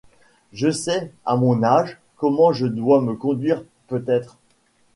Je sais, à mon âge, comment je dois me conduire, peut-être!